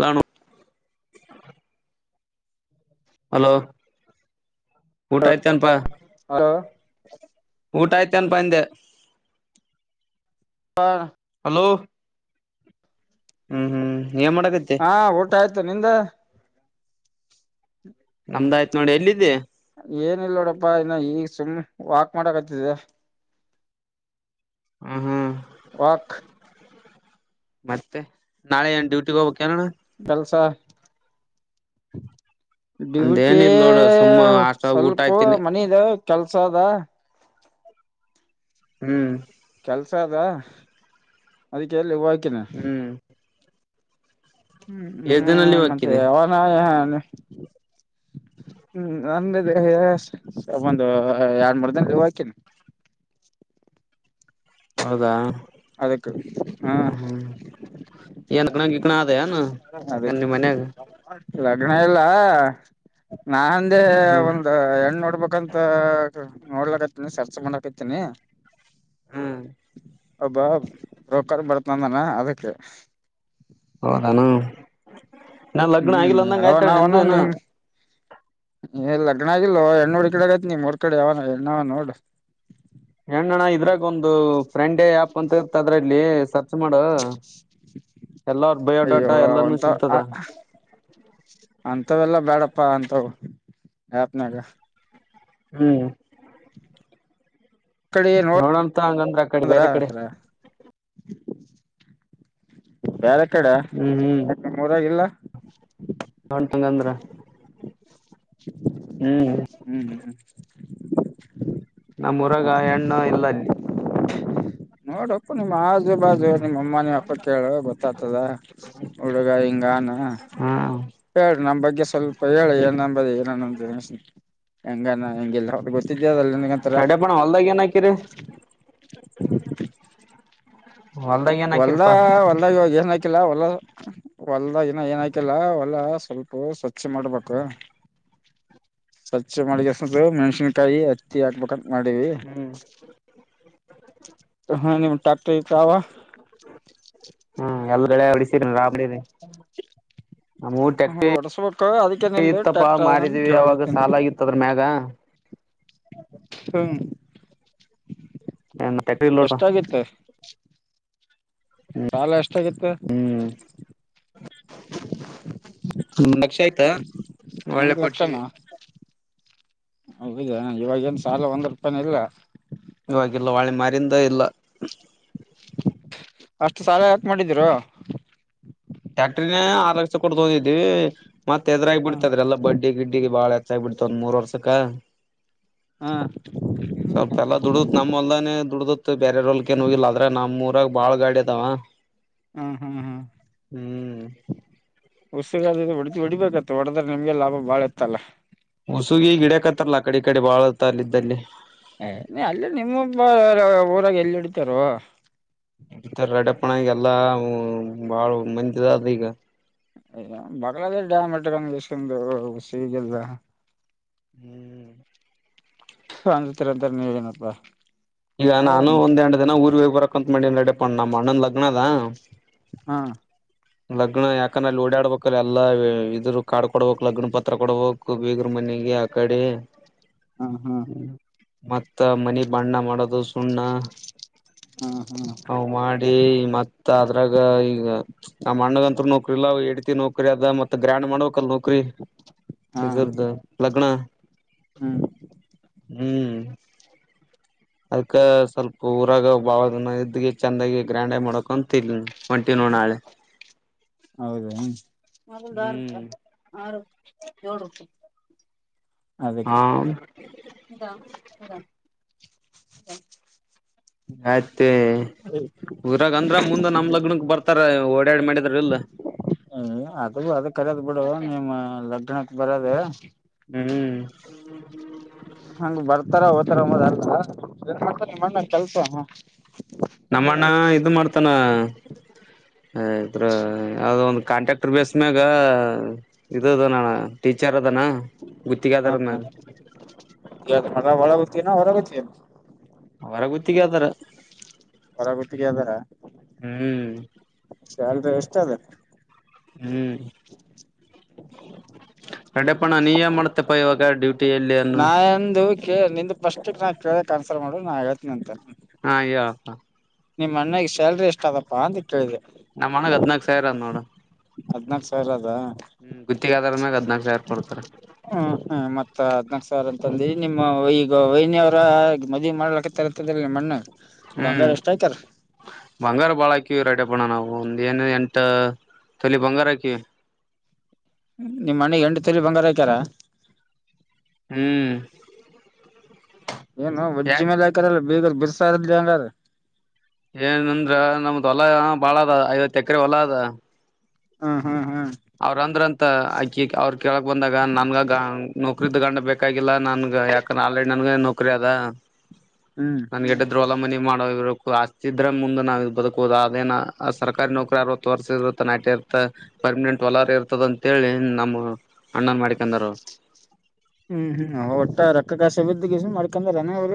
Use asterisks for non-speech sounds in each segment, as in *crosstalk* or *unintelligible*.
ನಾನು ಹಲೋ ಊಟ ಆಯ್ತನಪಾ ಹಲೋ ಊಟ ಆಯ್ತ ಅನ್ಪಂದೆ ಹ ಹಲೋ ಹ್ಮ್ ಹ್ಮ್ ಏನ್ ಮಾಡಕತ್ತೆ ಹಾ ಊಟ ಆಯ್ತು ನಿಂದ ನಮ್ದಾಯ್ತತ್ ನೋಡಿ ಎಲ್ಲಿದ್ದಿ ಏನ ಇಲ್ ನೋಡಪ್ಪಾ ಇನ್ನು ಈಗ ಸುಮ್ ವಾಕ್ ಮಾಡಕ್ ಆತಿದ ಹ್ಮ ಹ್ಮ್ ವಕ್ ಮತ್ತೆ ನಾಳೆ ಏನ್ ಡ್ಯೂಟಿಗೆ ಹೋಗ್ಬೇಕ ಕೆಲ್ಸ ಡ್ಯೂಟಿ ಅಂದೇನಿಲ್ಲ ನೋಡ ಸುಮ್ಮ ಅಷ್ಟ ಊಟ ಸ್ವಲ್ಪ ಆಯ್ತೀನಿ ಮನಗ ಕೆಲ್ಸ ಅದ ಹ್ಮ್ ಕೆಲ್ಸ ಅದಾ ಅದಕ್ಕೆ ಎಲ್ಲಿ ಹೋಗಕಿನಿ ಹ್ಮ್ ಹ್ಮ್ ಎಷ್ಟ್ ದಿನಲ್ಲಿ ಹ್ಮ್ ಮತ್ತೆ ಹೋಗ್ಕಿದೆ ಯವಾನ ಹ್ಮ್ ನ ಒಂದು ಎರಡ್ ಮೂರು ದಿನ ಹಾಕೇನಿ *inaudible* ಹೌದಾ ಅದಕ್ಕ ಹಾ ಹ್ಮ್ ಏನ್ ಗಣ ಗಿಗ್ಣ ಅದ ಏನು ಅದ ನಿಮ್ ಮನ್ಯಾಗ ಲಗ್ನ ಇಲ್ಲನಾ ನಂದೆ ಹ್ಮ್ ಒಂದ ಹೆಣ್ಣ ನೋಡ್ಬೇಕಂತ ನೋಡ್ಲಕತನಿ ಸರ್ಚ್ ಮಾಡಕತನಿ ಹ್ಮ್ ಒಬ್ಬ ರೊಕ್ಕರ್ ಬಡ್ತನಂದನ ಅದಕ್ಕೆ ಹೌದಾನ ನಾ ಲಗ್ನ ಹ್ಮ್ ಆಗಿಲ್ಲ ಅಂದಂಗ ಅವನ ಆಯ್ತಾಣ ಅವನು ನಿದ ಏನ ನಿಮ್ ಏ ಲಗ್ನ ಆಗಲ್ ಹೆಣ್ಣಡ್ ಕಡೆ ಆತ್ ನೀ ಮೂರ್ ಕಡೆ ಯಾವನ ಹೆಣ್ಣವ ನೋಡು ಹೆಣ್ಣಣ್ಣ ಇದ್ರಾಗ ಒಂದು ಫ್ರೆಂಡೇ ಆ್ಯಪ್ ಅಂತಿತ್ತ ಅದ್ರಲ್ಲಿ ಸ ಮಾಡ ಎಲ್ಲರ್ ಅಯ್ಯೋ ಬಯೋಡಾಟಾ ಎಲ್ಲಾನೂ ಸಿಗ್ತದ ಅಂತವೆೆಲ್ಲಾ ಬ್ಯಾಡಪ್ಪ ಅಂತ ಯಪ್ನಾಗ ಹ್ಮ್ *inaudible* ಕಡೆ ನೋಡ್ ನೋಡಂತ ಹಂಗಂದ್ರ ಆ ಕಡೆ ಬೇರೆ ಕಡೆ *unintelligible* ಬೇರೆ ಕಡೆ ಹ್ಮ್ ನಿಮೂರಾಗಿಲ್ಲ ನೊಂಡ ತಂಗಂದ್ರ ಹ್ಮ್್ಮ ಹ್ಮ್ ನಮ್ಮ್ ಉರಗ ಎಣ್ಣು ಇಲ್ಲ ಅಲ್ಲಿ ನೋಡು ನಿಮ್ ಆಜು ಬಾಜು ಹ್ಮ್ ನಿಮ್ಮ ಅಮ್ಮ ನಿ ಅಪ್ಪ ಕೇಳ ಗೊತ್ತಾತದ ಹುಡುಗ ಹಿಂಗಾನ ಹ್ಮ್ ಹೇಳು ನಮ ಬಗ್ಗೆ ಸ್ವಲ್ಪ ಹೇಳಿ ಏನ್ಂಬದು ಏನನ್ಷ ಹೆಂಗಾನ ಹೆಗೆಲ್ಲ ಹೊ ಗೊತ್ತಿದ್ಯ ಅಲ್ಲ ನಿಂಗಂತರ ಹೊಲ್ದಾಗನಕಿ ರ ಒಲ್ದ ಒದ ಇವಾಗ ಏ ಹಾಕಿಲ್ಲ ಹೊಲ್ಲ ಹೊಲ್ದ ನ ಏನ ಹಾಕಿಲ್ಲ ಒಲ್ಲ ಸ್ವಲ್ಪ ಸ್ವಚ್ಛ ಮಾಡ್ಬೇಕು *inaudible* ಸ್ವಚ್ಚೆ ಮಾಡಳಿಗೆಸ್ದ ಮೆಣ್ಸಿನ್ಕಾಯಿ ಹತ್ತಿ ಹಾಕ್ಬೇಕ ಮಾಡೀವಿ ಹ್ಮ್ ಹಾ ನಿಮ್ ಟ್ಯಾಟ್ರಿ ತಾವ ಹ್ಮ್ ಎಲ್ಗಡೆ ಅಡಿಸೀರಿನ್ ರಾಬಡಿರಿ ನಮ್ಮ ಟ್ಯಕ್ಟಿ ಹೊಡಸ್ಬೇಕು ಅದಕ್ಕೆ ನಿಮ್ದು ಇತ್ತಪ್ಪ ಟ್ಯಾಕ್ಟರ್ ಅದ ನನ್ ಮಾರಿದೀವಿ ಅವಾಗ ಕೇಳಕತ್ತೇನಿ ಸಾಲ ಆಗಿತ್ತ ಅದ್ರ ಮ್ಯಾಗ ಹ್ಮ ಟ್ಯಾಕ್ಟ್ರಿ ಇಲ್ನೋಡಪಾ ಎಷ್ಟಾಗಿತ್ತು ಸಾಲ ಎಷ್ಟಾಗಿತ್ತ. ಹ್ಮ್ ಲಕ್ಷ ಆಯ್ತ ಹೊಳ್ಳೆ ಕೊಟ್ಟೀವಿ. *inaudible* ಇವಾಗೇನ್ ಸಾಲ ಒಂದ್ ರೂಪಾಯಿನ ಇಲ್ಲ. ಇವವಾಗಿಲ್ಲ ವಳ್ಳ್ ಮಾರಿಂದ ಇಲ್ಲ ಅಷ್ಟ್ ಸಾಲ ಯಾಕ ಮಾಡಿದ್ರೊ ಟ್ಯಾಕ್ಟ್ರಿನ ಆರ್ ಲಕ್ಷ ಕೊಟ್ ತೋಂದಿದ್ವಿ, ಮತ್ ಎದ್ರಾಗ ಹ್ಮ್ ಬಿಡ್ತದ್ರ ಎಲ್ಲ ಬಡ್ಡಿ ಗಿಡ್ಡಿಗೆ ಬಾಳ ಗಿ ಬಿಡ್ತ ಒಂದ್ ಮೂರ್ ವರ್ಷಕ್ಕ. ಹ ಸ್ವಲ್ಪ ಎಲ್ಲಾ ದುಡತ್ ನಮ್ಮ ಅಲ್ದಾನೇ ದುಡ್ದತ್ ಬೇರೆರೊಲ್ಕೇನ್ ಹೋಗಿಲ್ಲ ಆದ್ರ ನಮ್ಮೂರಾಗ ಬಾಳಗಾಡಿ ಅದವಾ. ಹ್ಮ್ ಹ್ಮ್ ಹ್ಮ್ ಉಸ್ಸಗ ಅದಿದ ಹೊಡಿ ಹೊಡಿಬೇಕತ್ತ ಹೊಡ್ರೆ ನಿಮ್ಗೆ ಲಾಭ ಬಾಳ ಇತ್ತಲ್ಲ ಉಸುಗಿ ಗಿಡಕತ್ತಾರಲ್ಲ ಆ ಕಡೆ ಈ ಕಡೆ ಬಾಳುತ್ತ ಅಲ್ಲೆ ಇದ್ದಲ್ಲಿ ಎ ನಿ ಅಲ್ಲೆ ನಿಮ್ಮೊಬ್ಬರ ಊರಾಗ ಎಲ್ಲಿಡ್ತಾರೊ. ಇಡಿತರ ರಡಪ್ಪಣ್ಣ ಈಗೆಲ್ಲಾ ಊ ಊ ಬಾಳ ಮಂದಿ ಅದ ಈಗ. ಬಗಲಾಗ ಡ್ಯಾಮ ಇಟ್ಕೊಂಡು ಇಶ್ಟೊಂದು ಸಿ ಗಲ್ದ ಹ್ಮ್ ಅಂಜತಿರೆಂದ್ರ ನೀವೇನಪ್ಪಾ. ಈಗ ನಾನು ಹೌದ ಒಂದೆಂಡ ದಿನ ಊರ್ಗ ಹೋಗ್ ಬರಕ್ಕಂತ ಮಾಡಿನ್ ನಡಿಪಣ್ಣ ನಮ್ಮ ಅಣ್ಣಂದ್ ಲಗ್ನದ. ಹಾ ಲಗ್ನ ಯಾಕಂದ ಅಲ್ಲಿ ಓಡಾಡ್ಬೇಕಲ್ಲ ಎಲ್ಲ ಇದರು ಕಾರ್ಡ್ ಕೊಡ್ಬೇಕ್, ಲಗ್ನ ಪತ್ರ ಕೊಡ್ಬೇಕ್, ಬೀಗ್ರ ಮ ನೀಲಿ ಆ ಕಡೆ ಹಾ ಹಾ ಮತ್ತ ಮನಿ ಬಣ್ಣ ಮಾಡ ದು ಸುಣ್ಣ ಹಾ ಹಾ ಹ ಮಾಡಿ ಮತ್ತ ಅದ್ರಾಗ ಈಗ ನಮ್ ಅಣ್ಣಗಂತು ನೌಕ್ರಿ ಇಲ್ಲ, ಅವ ಏಡ್ತೀಗ್ ನೌಕ್ರಿ ಅದ ಮತ್ತ ಗ್ರ್ಯಾಂಡ್ ಮಾಡ್ಬೇಕಲ್ ನೌ ಕ್ರಿ ಹಾ ಇದರ್ದು ಲಗ್ನ ಹ್ಮ್ ಹ್ಮ್ ಅದಕ್ಕ ಸ್ವಲ್ಪ ಊರಾಗ ಬಾಳ ದಿನ ಇದ್ದಗ ಚೆಂದಾಗಿ ಗ್ರ್ಯಾಂಡಾಗಿ ಮಾಡಕೊಂತ ಇ ಒಂಟಿ ನೋ ನಾಳೆ. ಹೌದ ಅದಾದ ಆರುಪೆ ಹ್ಮ್ ಆರು ಯೋಳ್ರುಪೆ. ಅದಕ್ಕೆ ಹಾ ಇದ ಇದ ಆಯ್ತೆ. ಊರಾಗ ಅಂದ್ರ ಮುಂದೆ ನಮ್ ಲಗ್ನಕ್ ಬರ್ತಾರ ಓಡಾಡಿ ಮಾಡಿದ್ರ ಇಲ್. ನೀ ಅದು ಅದ ಕರೇದ್ ಬಿಡು ನಿಮ್ಮ ಲಗ್ನಕ್ ಬರದ. ಹ್ಮ್ ಹಂಗ ಬರ್ತಾರ ಹೋತಾರ *inaudible* ಏನ್ ಮಾಡ್ತಾನ ನಿಮ್ ಅಣ್ಣ ಕೆಲ್ಸ. ನಮ್ಮಣ್ಣ ಇದ ಮಾಡ್ತಾನ ಇದ್ರ ಯಾವ್ದೋ ಒಂದ ಕಾಂಟ್ರ್ಯಾಕ್ಟರ್ ಬೇಸ್ ಮ್ಯಾಗ ಇದುದ ನ ಟೀಚರ್ ಅದನ ಗುತ್ತಿಗೆ ಹಾ ಅದಾರ ಹಾ ಮ್ಯಾಗ ಯ ಮ ಒಳಗತನ ಹೊರಗತಿಯನ ಅವರ ಗುತ್ತಿಗೆದಾರ. ಹೊರ ಗುತ್ತಿಗೆ ಅದಾರ ಹ್ಮ್ ಸ್ಯಾಲ್ರಿ ಎಷ್ಟ ಅದ. ಹ್ಮ್ *unintelligible* ನೀ ಮಾಡ್ತ್ತಪ್ಪ ಇವಾಗ ಡ್ಯೂ ನಾಂದು ಕ ನಿ ಫಸ್ಟ್ಕ್ ನಾ ಕೇಳ ಕನ್ಸಲ್ಟ್ ಮಾಡುದು ನಾ ಹೇತಿನಿ ಅಂತ. ಹಾ ಹೇಳಪ್ಪ. ನಿಮ್ಮ್ ಅಣ್ಣಿಗೆ ಸ್ಯಾಲ್ರಿ ಎಷ್ಟ ಅದಪ್ಪಾ ಅಂತ ಕೇಳಿದೆ. ನಮ್ಮ್ ಒಣಗ್ ಹದ್ನಾಕ್ ಸಾವಿರ ಅದ ನೋಡ. ಹದ್ನಾಕ್ ಸಾವಿರ ಅದ ಹ್ಮ್ ಗುತ್ತಿಗೆದಾರ ಮ್ಯಾಗ ಹದ್ನಾಕ ಸಾವಿರ ಕೊಡ್ತಾರೆ. ಹ ಹ್ಮ ಮತ್ತ ಅದ್ ಸರ್ ಅಂತಂದ ನಿಮ್ಮ ಈಗ ವೈನಿ ಅವರ ಮದುವೆ ಮಾಡ್ಲಕ್ಕತ್ತರ್ಂತದ್ರ ನಿಮ್ಮಮಣ್ಣ. ಹ್ಮ್ ಬಂಗಾರ ಬಾಳಕಿ. ಕ ರೈಡ್ ಅಪ್ಪಣ್ಣ ನಾವು ಒಂದ ಏನ್ ಎಂಟ ತಲಿ ಬಂಗಾರಕಿವ. ನಿಮ್ಮ ಮನೆಗ್ ಎಂಟು ತರಿ ಬಂಗಾರ ಆಕಾರ. ಹ್ಮ್ ಏನು ಒಜ್ಜಿ ಯಾಕ್ ಮೇಲೆ ಹಾಕಾರಲ್ಲ ಬೀಗರ್ ಬಿರ್ಸಾ ಇರದಲಿ ಅಂಗಾರ. ಏನಂದ್ರ ನಮ್ದ್ ಹೊಲ ಬಾಳ ಅದ ಐವತ್ತು ಎಕರೆ ಹೊಲ ಅದ. ಹಾ ಹಾ. ಅವ್ರಂದ್ರ ಅಂತ ಆಕಿ ಅವ್ರರು ಕೇಳಕ್ ಬಂದಾಗ ನನ್ಗ ನೌಕ್ರೀ ದಗಂಡ ಬೇಕಾಗಿಲ್ಲ ನನ್. ಯಾಕ ಆಲ್ರೆಡಿ ನನ್ಗೆ ನೌಕರಿ ಅದ ಹ್ಮ್ ನನ್ಗೆಡ್ ದ್ವಲ ಮನಿ ಮಾಡೋವರು. ಆಸ್ತಿ ಇದ್ರ ಮುೆ ನಾವವು ಇದು ಬದುಕೋ ಅದೇನ ಸರ್ಕಾರಿ ನೌಕರಿ ಅವತ್ತು ವರ್ಷ ಇತ್ತ ನೈಟ ಇರ್ತ ಪರ್ಮಿನೆಂಟ್. ತಲರ್ ಇರ್ತದ ಅಂತೇಳಿ ನಮ್ಮ ಅಣ್ಣನ್ ಮಾಡಿಕಂದರು. ಹ್ಮ್ ಹ್ಮ್ ಅವ ಒಟ್ಟ ರಕ್ಕ ಕಾಶ ಬಿದ್ದಸ ಮಾಡ್ಕೊಂಡಾನ ಅವ್ರ.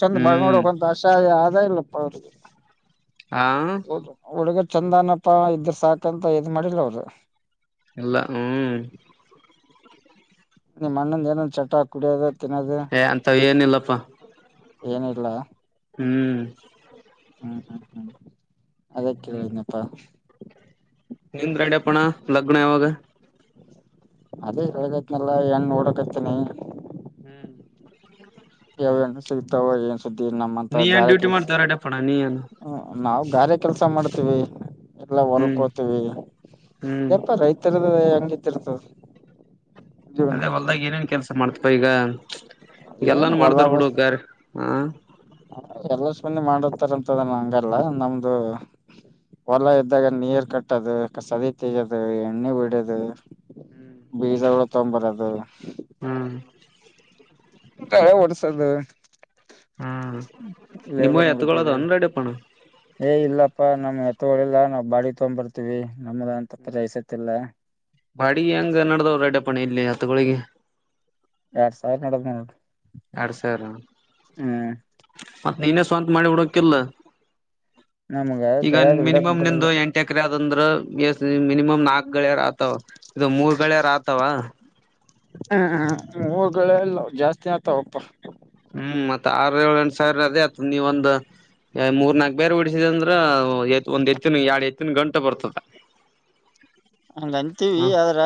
ಚಂದ ಬಳ ಹ್ಮ್ ನೋಡಕ್ಂತ ಅಸಹ ಆದ ಇಲ್ಲಪ್ಪ ಹಾ ಅವ್ರ *unintelligible* ಚಂದನಪ್ಪಾ ಇದ್ರ ಸಾಕಂತ ಇದ್ ಮಾಡಿಲ್ಲ ಅವರು. ಈಲ್ಲ ಹ್ಮ್. ನಿಮ್ಮ ಅಣ್ಣಂದಏನೊಂದ ಚಟ್ ಕುಡಿಯೋದ. ತಿನ್ನೋದು ಏ ಅಂತ ಏನಿಲ್ಲಪ್ಪಾ. ಏನ ಇಲ್ಲ. ಹ್ಮ್ ಹ್ಮ್ ಹ್ಮ್ ಹ್ಮ್ ಅದ ಕೇಳಿದನಪ್ಪಾ. ನಿಂದ್ರ ಎಡ್ಯಪ್ಪಣ ಲಗ್ನ ಯಾವಾಗ. ಅದೇ ಹಗೈತ್ನಲ್ಲ ಏನ್ ನೋಡಕತನಿ. ಹ್ಮ್ *inaudible* ಸಿಕ್ತವ ಏನು. ನಮ್ಮಂತ ನೀ ಏನ್ ಗಾರೆ ಡ್ಯೂಟಿ ಕೆಲ್ಸ ಮಾಡ್ತೇವ ರೆಡ್ಯಪ್ಪಣ ನೀ ಏನ್ ನಾವು ಗಾರೆ ಕೆಲಸ ಮಾಡ. ಎಲ್ಲ ಹ್ಮ್ ಹೊಲ್ಕೋತವಿ ಹ್ಮ್ ರೈತರ. ಹೆಂಗಿತಿ ಇರ್ತದೆ. ಅದೇ ಹೊಲ್ದಾಗ ಏನೇನ್ ಕೆಲ್ಸ ಮಾಡ್ತಪ ಈಗ. ಏನ್ ಎಲ್ಲಾನು ಹೊಲ ಮಾಡ್ತಾರ ಬಸ್ ಬಿುಡುಗಾರ ಹ. ರಂತದಲ್ಲ ಹಂಗಲ್ಲ ನಮ್ದು. ಹೊಲ ಇದ್ದಾಗ ನೀರ್ ಕಟ್ಟದು ಕಸದ ತಗೋದು ಎಣ್ಣೆ ಬಿಡದು. ಬೀಜಗಳು ತಗೊಂಬರದು. *inaudible* ತಲೆ ಓಡ್ಸದು ಹ್ಮ್ ನಿಮ್ಮ ಲೇಬರ್ ನೋಡಕ ಎತ್ಗಳದನ್ ರೆಡಿಪಣ ಏ ಇಲ್ಲ. ಪ್ಪಾ ನಮ್ಗೆ ಎತ್ತಗಳಲ್ಲ ನಾವವು ಬಾಡಿ ತಗೊಂಡ್ ಬರ್ತೀವಿ. ನಮ್ದ ಅಂತ ಹ್ಮ್ ಪ್ರೈಸತ್ತಿಲ್ಲ ಬಾಡಿ ಹೆಂಗ ನಡ್ದವರು ರಡ್ಡಪ್ಪಣ ಇಲ್ಲಿ ಹತ್ತುಗಳಿಗೆ. ಎರಡ್ ಸಾವಿರ ನೋಡದ್ ನೋ. ಎರಡ್ ಸಾವಿರ ಮತ್ ನೀನೇ ಸ್ವಂತ ಮಾಡಿ ಉಡೋಕಿಲ್ಲ. ನಮ್ಗ ಈಗ ಗಳದ್ ಬಿಡಕ್ ಮಿನಿಮಮ್ ಬರಲ್ಲ ನಿಮ್ದು ಎಂಟ ಎಕರೆ ಆದಂದ್ರ ಎ ಮಿನಿಮಮ್ ನಾಕು. ಗಳಿಯಾರ ಆತಾವ ಇದು ಮೂರ್ ಗಳೆಯಾರ ಆತಾವ. ಊರ್ಗಳ ಜಾಸ್ತಿ ಆತವಪ್ಪ. ಹ್ಮ್ ಮತ್ ಆರು ಏಳು ಎಂಟ್ ಸಾವಿರ ಅದೇ ಆತ್ ನೀವ ಒಂದ ಮೂರ್ ನಾಕ್ ಬೇರ್ ಬಿಡಿಸಿದೆ ಅಂದ್ರ ಒಂದ್ ಹೆತ್ತಿನ ಎರಡ್ ಹೆತ್ತಿನ ಗಂಟೆ ಬರ್ತದ ಅಂಗ್ ಅಂತೀವಿ ಹ ಆದ್ರ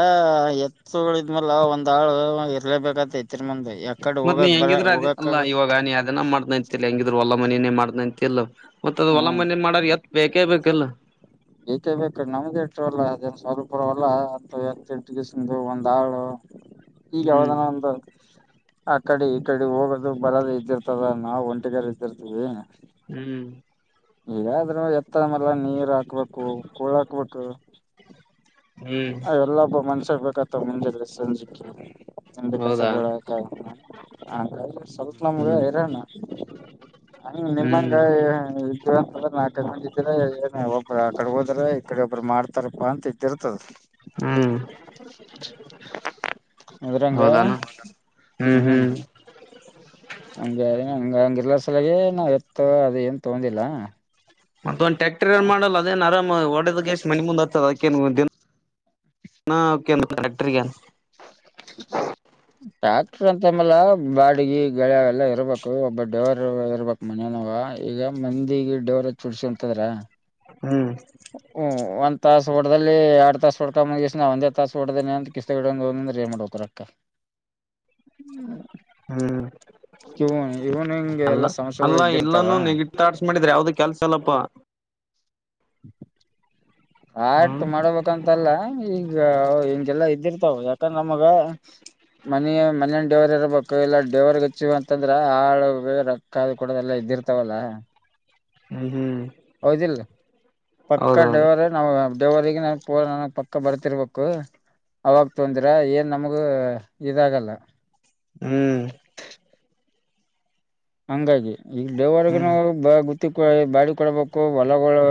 ಎತ್ತುಗಳಿದ್ಮಲೆ ಒಂದ್ ಆಳ ಇರ್ಲೇಬೇಕತ್ತ ಎತಿನ್ ಮುಂದಿ ಮತ್ ನೀ ಹೆಂಗಿದ್ರರು ಅದೇ ಅಲ್ಲ ಇವಾಗ ನೀ ಅದನ ಮಾಡ್ತಂತಲ್ಲ ಹೆಂಗಿದ್ರು ಒಳ್ಳೆ ಮನಿನೇ ಮಾಡ್ತೀನಿ ಅಂತಿಲ್ಲೋ ಮತ್ತ ಅದ ಹೊಲ ಹ್ಮ್ ಮನಿ ಮಾಡುದ್ರಾ ಎತ್ ಬೇಕೇ ಬೇಕಲ್ಲ ಬೇಕೇ ಬೇಕು ನಮ್ದ ಇಷ್ಟಲ್ಲ ಸ್ವಲ್ಪುರವಲ್ಲ ಎತ್ತು ಗಸಂದು ಒಂದ್ ಆಳು ಈಗ ಹ್ಮ್ ಯಾವ್ದನ ಒಂದು ಆ ಕಡೆ ಈ ಕಡೆ ಹೋಗೋದು ಬರೋದು ಇದ್ದಿರ್ತದ ನಾವು ಒಂಟಿಗಾರ ಇದ್ದಿರ್ತೀವಿ ಹ್ಮ್ ಇದಾದ್ರು ಎತ್ತ ಮಲ್ಲ ನೀರ್ ಹಾಕ್ಬೇಕು ಕೂಳ ಹಾಕ್ಬೇಕು ಹ್ಮ್ ಅವೆಲ್ಲ ಒಬ್ಬ ಮನುಷ್ಯರು ಬೇಕತ್ತವ ಮುಂಜಾನೆ ಸಂಜೆಕ್ಕೆ ಹಿಂದೆ ಕಸ ಹೌದಾ ಬಳಿಯಕ ಹಾಗ್ರೆ ಸ್ವಲ್ಪ ನಮ್ಗ ಹ್ಮ್ ಇರೋಣ ಹಂಗ ನಿಮ್ಮಂಗ ಹ್ಮ್ ನಾಲ್ಕ್ ಐದ್ ಮಂದಿ ಇದ್ರೆ ಒಬ್ಬ ಆ ಕಡೆ ಹೋದ್ರ ಈ ಕಡೆ ಒಬ್ರು ಮಾಡ್ತಾರಪ್ಪಾ ಅಂತ ಇದ್ದಿರ್ತದ ಹ್ಮ್ ಇದ್ರಂಗ ಹೌದಾನ ಹ್ಮ್ ಹ್ಮ್ ಹಂಗ ಹಂಗ ಹಂಗ ಇಲ್ಲ ಸಲ್ವಾಗಿ ನಾವ್ ಎತ್ ಅದ ಏನ್ ತಗೊಂಡಿಲ್ಲ ಮತ್ ಒಂದ ಟ್ಯಾಕ್ಟರ್ ಆನ್ ಮಾಡಲ ಅದೇನ್ ಆರಾಮ ಮಣ ಮುಂದೆ ಆಗ್ತದ ಕಕ್ಟ್ರ *unintelligible* ಹ *inaudible* ಅಂತ ಅಂದ್ ಮೇಲೆ ಬಾಡಿಗೆ ಳೆ ಎಲ್ಲಾ ಇರಬೇಕು ಒಬ್ಬ ಡ್ರೈವರ್ ಇರಬೇಕ್ ಮನಿ ಒಳಗ ದಿಿಗೆ ಡೋರ ಚುಡ್ಸಂಂತದ್ರ *unintelligible* ಹ್ಮ್ ತೋಟದಲ್ಲಿ ಎರಡ್ ತಾಸ್ ಹೊಡ್ಕೊಂಡ ಮುಾ ಒಂದೇ ತಾಸ ಹೊಡ್ದೇನೆ ಅಂತ ಕಿಸ್ತಡಂದ್ರ ಏನ್ ಮಾಡಬೇಕು ರೊಕ್ಕ ಹ್ಮ್ ಇವು ಇವ್ನ್ ಹಿಂಗೆ ಅಲ್ಲ ಎಲ್ಲಾ ಸಮಸ್ಯೆಗಳು ಅಲ್ಲ ಇದ್ದಿರ್ತಾವ. ಎಲ್ಲಾನೂ ನೆೆಗೆಟ ತಾಟ್ಸ್ ಮಾಡಿದ್ರ ಯಾವ್ದು ಕೆಲ್ಸ ಅಲ್ಲಪ್ಪಾ ಹ *inaudible* ಆರ್ಟ್ ಹ್ಮ್ ಮಾಡಬೇಕಂತಲ್ಲ ಈ ಈ ಹಿಂಗೆಲ್ಲಾ ಇದ್ದಿರ್ತಾವ ಯಾಕಂದ್ರೆ ನಮಗ ಮನ ಮನಿ ಅಲ್ಲಿ ಡ್ರೈವರ್ ಇರ್ಬೇಕು ಇಲ್ಲ ಡೇವರ್ ಹೆಚ್ಚ ಅಂತಂದ್ರ ಆಾಳ ರಕ್ಕ ಕೊಡದೆಲ್ಲ ಇದೆ ಇದಿರ್ತಾವಲ್ಲ ಹ್ಮ್ ಹ್ಮ್ ಹೌದ್ ಇಲ್ಲ ಪತ್ಕ ಹೌದೌದು ಡವರ್ ಹ ಡ್ರೈವರಿಗೆ ನನ್ ಪೂನ ನನಗ್ ಪಕ್ಕ ಬರ್ತಿರ್ಬೇಕು ಅವಾಗ ತೊಂದ್ರ ಏನ್ ನಮಗೂ ಇದಾಗಲ್ಲ ಹ್ಮ್ ಹಂಗಾಗಿ ಈಗ ಡೈವರ್ಗೆ ಹ್ಮ್ ನಾವು ಬಾಡಿಗೆ ಕೊಡಬೇಕು ಹೊಲಗಳು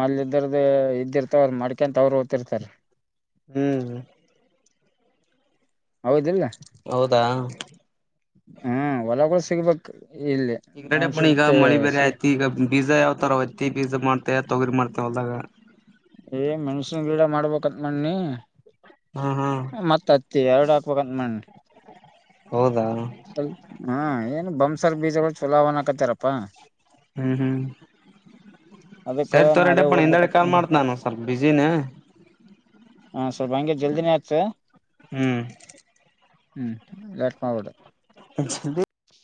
ಮನ್ಲ ಇದರದ್ದ ಇದ್ದಿರ್ತಾವ ಅವ್ರ ಮಾಡ್ಕೊಂತ ಅವರು ಓ್ತಿರ್ ಇರ್ತಾರೆ ಹ್ಮ್ ಹೌದಿಲ್ಲ ಹೌದಾ ಹ್ಮ ಹೊಲಗಳ್ ಸಿಗ್ಬೇಕು ಈಗ ರೆಡ್ ಅಪನೀಗ ಮಳಿ ಬೇರೆ ಆಯ್ತಿ ಈಗ ಪಿಝಾ ಯಾವ ತರ ಒತ್ತಿ ಪಿಝಾ ಮಾಡ್ತೇ ತೊಗರಿ ಮಾಡ್ತೇವೆ ಹೊಲ್ದಾಗ ಏ ಮೆಣಸನ್ ಗಿಡ ಮಾಡ್ಬೇಕ್ ಅನ್ಕೊಂಡ್ನಿ ಹಾ ಹಾ ಮತ್ತತ್ತಿ ಎರಡು ಹಾಕ್ಬೇಕಂತ ಮಣ ಹೌದಾ ಹಾ ಏನು ಬಂಸರ್ ಬೀಜಗಳ್ ಚುಲಾವಣಕತರಪ್ಪ *unintelligible* ಹ್ಮ್ ಹ್ಮ್ ಸರಿ ತೋರೆ ಪ್ಪಣ ಹಿಂದೆಡೆ ಕಾಲ್ ಮಾಡೀನಿ ಮಾಡ್ತೀನ್ ನಾನ್ ಸ್ವಲ್ಪ ಬಿಸಿನ ಹಾ ಸ್ವಲ್ಪ ಹಂಗೆ ಜಲ್ದಿನೇ ಆಚ್ಚು ಹ್ಮ್ ಹ್ಮ್ ಲೇಟ್ ಮಾಡ್ಬೇಡ ಹ *unintelligible*